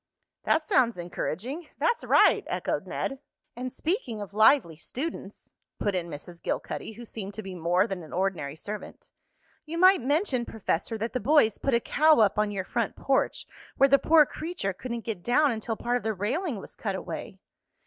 "That sounds encouraging." "That's right," echoed Ned. "And speaking of lively students," put in Mrs. Gilcuddy, who seemed to be more than an ordinary servant, "you might mention, Professor, that the boys put a cow up on your front porch where the poor creature couldn't get down until part of the railing was cut away."